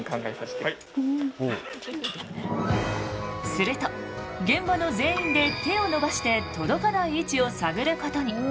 すると現場の全員で手を伸ばして届かない位置を探ることに。